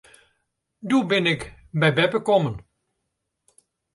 Doe bin ik by beppe kommen.